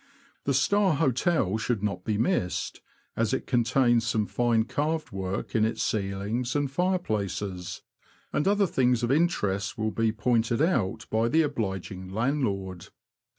The Star Hotel should not be missed, as it contains some fine carved work in its ceilings and fireplaces ; and other things of interest will be pointed out by the obliging landlord.